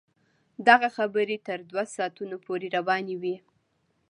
دغه خبرې تر دوه ساعتونو پورې روانې وې.